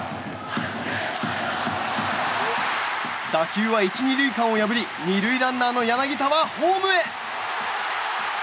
打球は１、２塁間を破り２塁ランナーの柳田はホームへ！